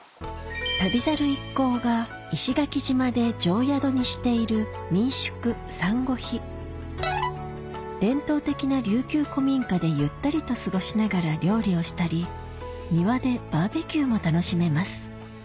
『旅猿』一行が石垣島で定宿にしている伝統的な琉球古民家でゆったりと過ごしながら料理をしたり庭でバーベキューも楽しめます